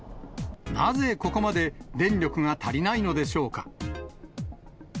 なぜここまで電力が足りないのでしょうか。